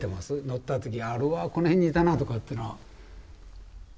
乗った時俺はこの辺にいたなとかっていうのは？